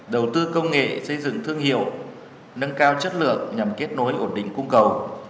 đầu tư công nghệ xây dựng thương hiệu nâng cao chất lượng nhằm kết nối ổn định cung cầu